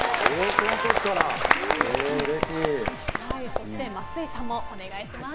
そして、増井さんもお願いします。